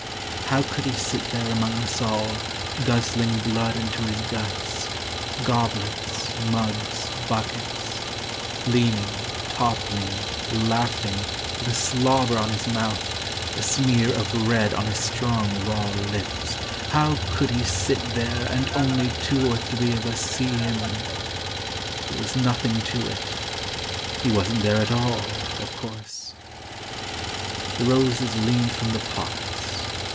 How could he sit there among us allGuzzling blood into his guts, Goblets, mugs, buckets—Leaning, toppling, laughingWith a slobber on his mouth,A smear of red on his strong raw lips, How could he sit thereAnd only two or three of us see him? There was nothing to it. He wasn't there at all, of course. The roses leaned from the pots.